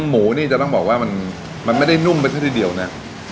หมูนี่จะต้องบอกว่ามันไม่ได้นุ่มไปซะทีเดียวนะ